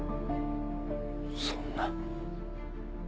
そんな。